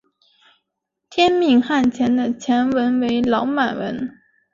天命汗钱的钱文为老满文。